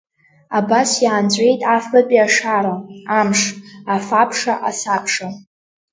Абас иаанҵәеит афбатәи ашара, амш, афабша асабша.